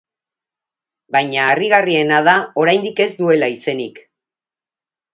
Baina harrigarriena da oraindik ez duela izenik.